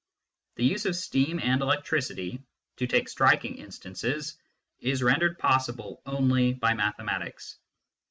The use of steam and electricity to take striking instances is rendered possible only by mathematics.